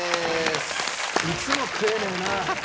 いつも食えねえな。